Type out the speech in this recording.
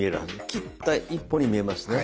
切った１本に見えますね？